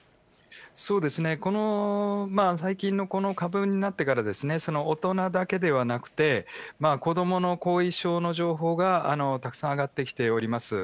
そうですね、この、最近のこの株になってから、大人だけではなくて、子どもの後遺症の情報がたくさん上がってきております。